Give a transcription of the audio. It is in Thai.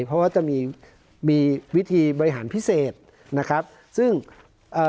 เพราะว่าจะมีมีวิธีบริหารพิเศษนะครับซึ่งเอ่อ